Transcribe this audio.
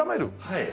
はい。